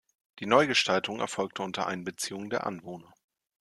Die Neugestaltung erfolgte unter Einbeziehung der Anwohner.